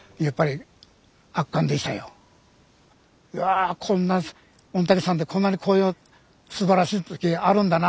うわこんな御嶽山ってこんなに紅葉すばらしい時あるんだな。